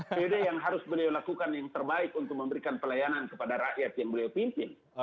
periode yang harus beliau lakukan yang terbaik untuk memberikan pelayanan kepada rakyat yang beliau pimpin